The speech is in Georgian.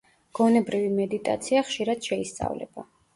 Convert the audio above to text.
გონებრივი მედიტაცია ხშირად შეისწავლება.